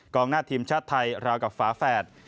หน้าทีมชาติไทยราวกับฝาแฝด